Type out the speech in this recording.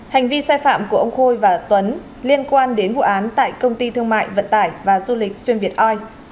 hành vi sai phạm của ông khôi và tuấn liên quan đến vụ án tại công ty thương mại vận tải và du lịch xuyên việt oi